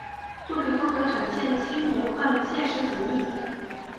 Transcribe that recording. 作品风格展现新魔幻现实主义。